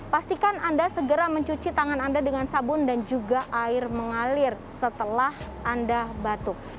pastikan anda segera mencuci tangan anda dengan sabun dan juga air mengalir setelah anda batuk